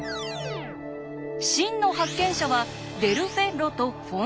真の発見者はデル・フェッロとフォンタナ。